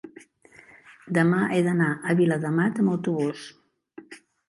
demà he d'anar a Viladamat amb autobús.